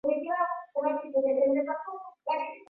moja kwa moja kutoka maeneo ya ndani mwa